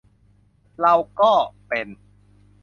เราก็ 'เป็น'